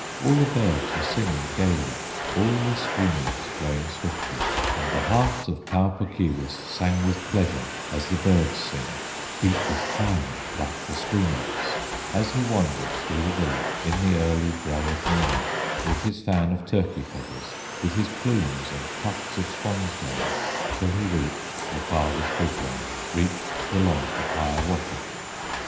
All the birds were singing gayly, All the streamlets flowing swiftly, And the heart of Pau Puk Keewis Sang with pleasure as the birds sing, Beat with triumph like the streamlets, As he wandered through the village, In the early gray of morning, With his fan of turkey feathers, With his plumes and tufts of swan's down, Till he reached the farthest wigwam, Reached the lodge of Hiawatha.